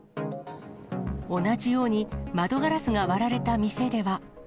同じように窓ガラスが割られた店では。